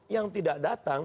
yang tidak datang